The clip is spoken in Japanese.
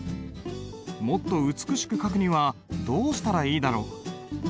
もっと美しく書くにはどうしたらいいだろう？